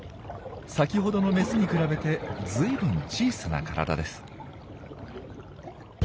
先ほどのメスに比べて随分小さな体です。